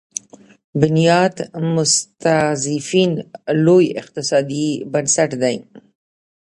بنیاد مستضعفین لوی اقتصادي بنسټ دی.